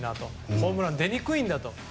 ホームラン出にくいんだと。